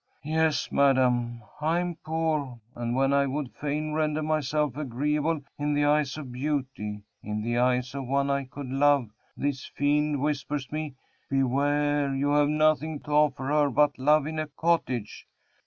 "Yes, madam. I am poor, and when I would fain render myself agreeable in the eyes of beauty in the eyes of one I could love, this fiend whispers me, 'Beware! you have nothing to offer her but love in a cottage.'"